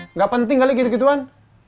nggak penting kali gitu gituan